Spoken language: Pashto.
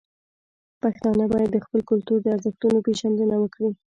پښتانه باید د خپل کلتور د ارزښتونو پیژندنه وکړي.